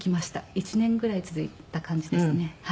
１年ぐらい続いた感じですね。